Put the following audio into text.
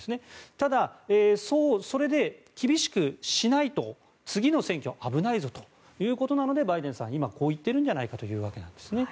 ただ、それで厳しくしないと次の選挙危ないぞということなのでバイデンさんは今、こう言ってるんじゃないかということですね。